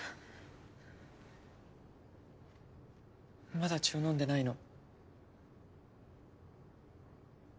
まだ血を飲んでないの？